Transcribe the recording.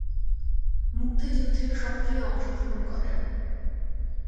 মুক্তিযুদ্ধে সক্রিয় অংশগ্রহণ করেন।